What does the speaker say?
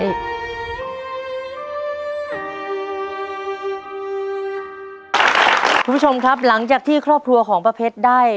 คุณผู้ชมครับหลังจากที่ครอบครัวของป้าเพชรได้